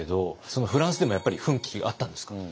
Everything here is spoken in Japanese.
そのフランスでもやっぱり奮起あったんですか？